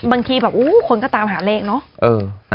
บางทีแบบคนก็ตามหาเลขเนาะ